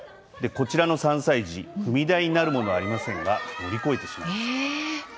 こちらの３歳児踏み台になるものはありませんが乗り越えてしまいました。